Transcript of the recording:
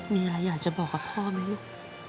มีอะไรอยากจะบอกกับพ่อไหมลูก